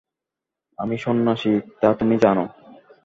আমি সন্ন্যাসী, তা তুমি জান।